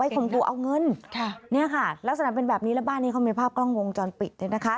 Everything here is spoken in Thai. ข่มขู่เอาเงินลักษณะเป็นแบบนี้แล้วบ้านนี้เขามีภาพกล้องวงจรปิด